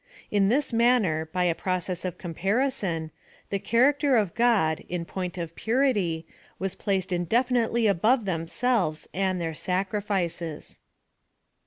In this manner, by a process of comparison, the character of God, in point of purity, was placed indefinitely above them selves and their sacrifices.